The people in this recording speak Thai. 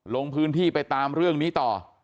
ลงพื้นที่ไปตามเรื่องนี้ต่อ